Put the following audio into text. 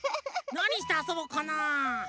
なにしてあそぼっかなあ？